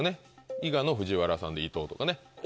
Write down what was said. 伊賀の藤原さんで伊藤とかね。